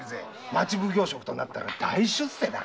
町奉行職なら大出世だ。